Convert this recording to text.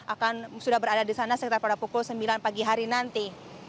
akan sudah berada di sana sekitar pada pukul sembilan pagi hari nanti